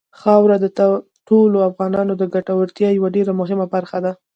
خاوره د ټولو افغانانو د ګټورتیا یوه ډېره مهمه برخه ده.